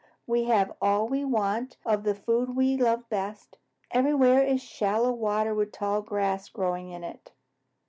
We have all we want of the food we love best. Everywhere is shallow water with tall grass growing in it."